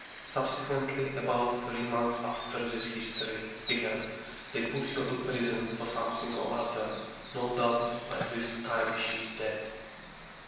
Subsequently, about three months after this history began, they put her in prison for something or other. No doubt by this time she is dead.